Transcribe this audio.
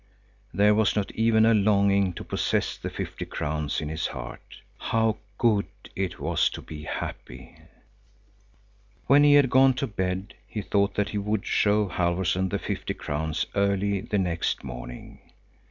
There was not even a longing to possess the fifty crowns in his heart. How good it was to be happy! When he had gone to bed, he thought that he would show Halfvorson the fifty crowns early the next morning.